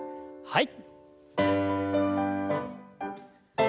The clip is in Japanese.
はい。